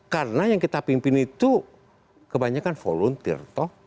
karena yang kita pimpin itu kebanyakan volunteer